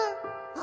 「あ！」